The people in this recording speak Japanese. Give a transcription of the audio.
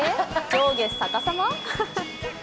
上下逆さま？